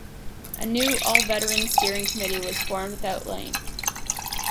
A new, all-veteran steering committee was formed without Lane.